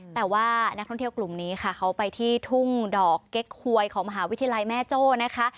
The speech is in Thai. แต่ว่านักท่องเที่ยวกลุ่มนี้ค่ะเขาไปที่ทุ่งดอกเก๊กหวยของมหาวิทยาลัยแม่โจ้นะคะ